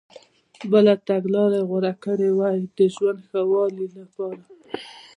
بله تګلارې یې غوره کړي وای د ژوند ښه والي لپاره.